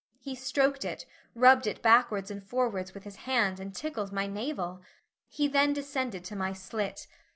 He stroked it, rubbed it backwards and forwards with his hand and tickled my navel. He then descended to my slit.